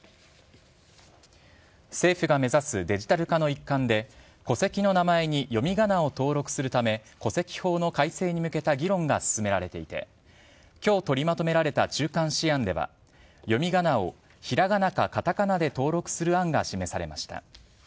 政府が目指すデジタル化の一環で、戸籍の名前に読みがなを登録するため、戸籍法の改正に向けた議論が進められていて、きょう取りまとめられた中間試案では、読みがなをひらがなかかたかなで登録する案が示されました。